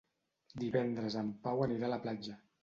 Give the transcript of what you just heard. Divendres en Pau anirà a la platja.